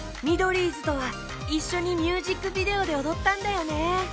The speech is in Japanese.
ミドリーズとはいっしょにミュージックビデオでおどったんだよね。